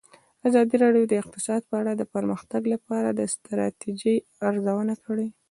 ازادي راډیو د اقتصاد په اړه د پرمختګ لپاره د ستراتیژۍ ارزونه کړې.